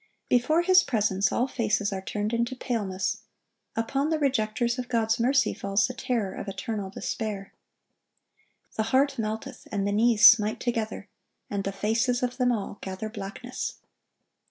(1105) Before His presence, "all faces are turned into paleness;" upon the rejecters of God's mercy falls the terror of eternal despair. "The heart melteth, and the knees smite together," "and the faces of them all gather blackness."